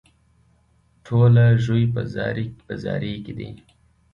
ټوله ژوي په زاري کې دي.